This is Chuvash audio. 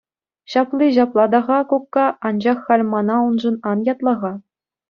Ҫапли ҫапла та-ха, кукка, анчах халь мана уншӑн ан ятла-ха.